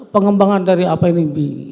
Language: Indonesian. pengembangan dari apa ini